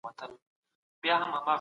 د زنبورکو رول په دې جګړه کي څه و؟